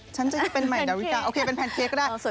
ฉันจะเป็นใหม่ดาวิกาโอเคเป็นแพนเค้กได้